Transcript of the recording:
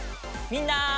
みんな！